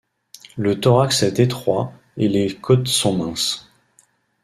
Le thorax est étroit et les côtes sont minces.